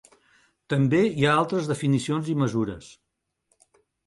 També hi ha altres definicions i mesures.